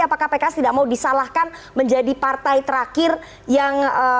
apakah pks tidak mau disalahkan menjadi partai terakhir yang